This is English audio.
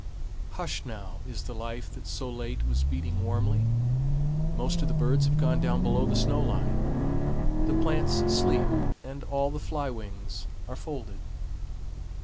Hushed now is the life that so late was beating warmly. Most of the birds have gone down below the snow line, the plants sleep, and all the fly wings are folded.